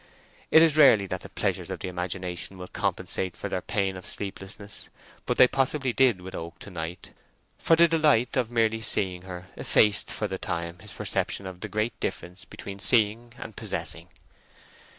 It is rarely that the pleasures of the imagination will compensate for the pain of sleeplessness, but they possibly did with Oak to night, for the delight of merely seeing her effaced for the time his perception of the great difference between seeing and possessing.